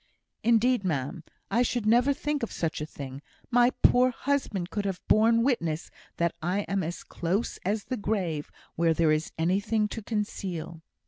"Indeed, ma'am, I should never think of such a thing! My poor husband could have borne witness that I am as close as the grave where there is anything to conceal."